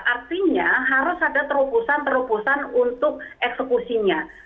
artinya harus ada terobosan terobosan untuk eksekusinya